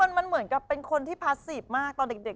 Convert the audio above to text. มันเหมือนกับเป็นคนที่พลาสสิกมากตอนเด็ก